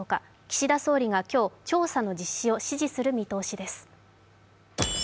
岸田総理が今日、調査の実施を指示する見通しです。